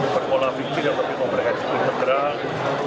berkolah fikir berpikir pikir bergerak